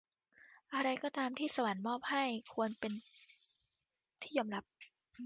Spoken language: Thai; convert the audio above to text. อะไรก็ตามที่สวรรค์มอบให้ควรเป็นที่ยอมรับ